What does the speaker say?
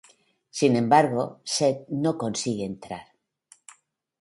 Sin embargo, Seth no consigue entrar.